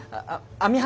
網浜！